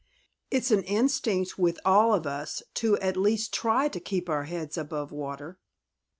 "It's an instinct with all of us to at least try to keep our heads above water."